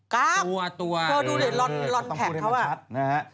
กล้ามตัวตัวดูเลยรอนแผลกเขา